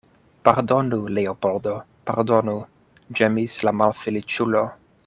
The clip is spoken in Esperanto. Pardonu, Leopoldo, pardonu, ĝemis la malfeliĉulo.